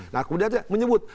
nah kemudian dia menyebut